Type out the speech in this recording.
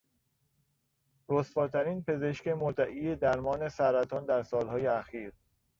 رسواترین پزشک مدعی درمان سرطان در سالهای اخیر